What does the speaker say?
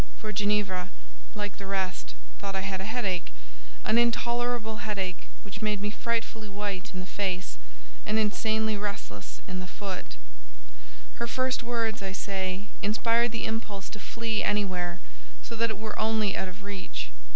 (for Ginevra, like the rest, thought I had a headache—an intolerable headache which made me frightfully white in the face, and insanely restless in the foot)—her first words, I say, inspired the impulse to flee anywhere, so that it were only out of reach.